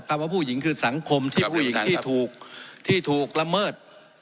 คำว่าผู้หญิงคือสังคมที่ผู้หญิงที่ถูกละเมิด